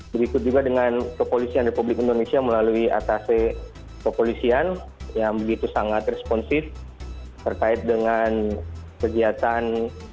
berikut juga dengan kepolisian republik indonesia melalui atase kepolisian yang begitu sangat responsif terkait dengan kegiatan